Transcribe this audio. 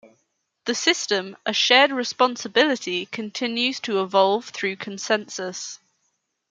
The system, a shared responsibility, continues to evolve through consensus.